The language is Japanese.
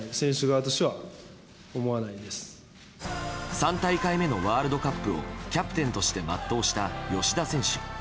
３大会目のワールドカップをキャプテンとして全うした吉田選手。